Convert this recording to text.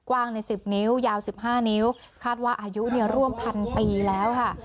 วางในสิบนิ้วยาวสิบห้านิ้วคาดว่าอายุเนี่ยร่วมพันปีแล้วค่ะ